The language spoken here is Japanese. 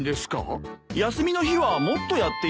休みの日はもっとやっていただきます。